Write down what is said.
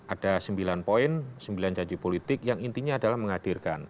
ada sembilan poin sembilan janji politik yang intinya adalah menghadirkan